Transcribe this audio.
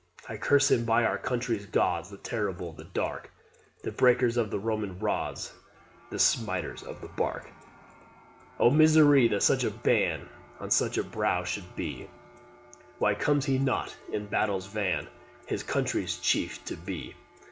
I curse him by our country's gods, The terrible, the dark, The breakers of the Roman rods, The smiters of the bark. "Oh misery, that such a ban On such a brow should be! Why comes he not in battle's van His country's chief to be?